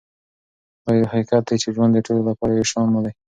دا یو حقیقت دی چې ژوند د ټولو لپاره یو شان نه دی.